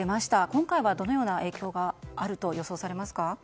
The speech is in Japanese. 今回はどのような影響があると予想されますか？